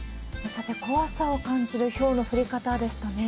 さて、怖さを感じるひょうの降り方でしたね。